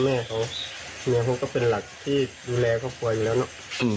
แม่ผมเหมือนเหล่าหลักที่ดูแลครัวค่อยอยู่แล้วนก